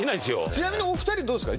ちなみにお二人どうですか？